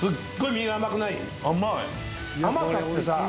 甘い甘さってさ